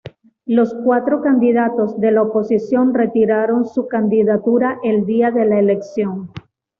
Los cuatro candidatos de la oposición retiraron su candidatura el día de la elección.